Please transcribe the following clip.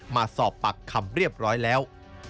มาสอบปากคำเรียบร้อยแล้ว